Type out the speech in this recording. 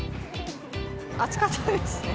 暑かったですね。